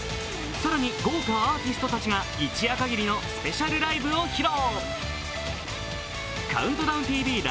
さらに豪華アーティストたちが一夜かぎりのスペシャルライブを披露。